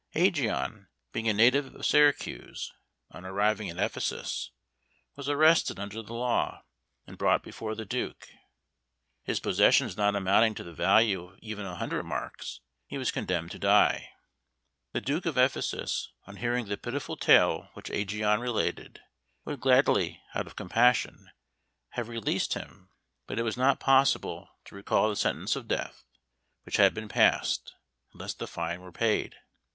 Ægeon, being a native of Syracuse, on arriving at Ephesus was arrested under this law, and brought before the Duke. His possessions not amounting to the value of even a hundred marks, he was condemned to die. The Duke of Ephesus, on hearing the pitiful tale which Ægeon related, would gladly, out of compassion, have released him, but it was not possible to recall the sentence of death which had been passed, unless the fine were paid.